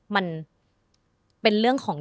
มันเป็นเรื่องของ